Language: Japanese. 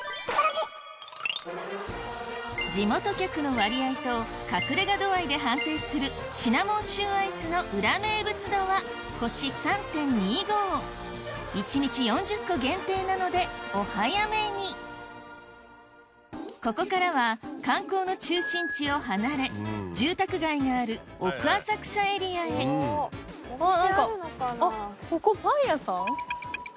地元客の割合と隠れ家度合いで判定するシナモンシューアイスの裏名物度は一日４０個限定なのでお早めにここからは観光の中心地を離れ住宅街がある奥浅草エリアへ何かあっここパン屋さん？